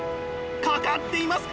かかっています！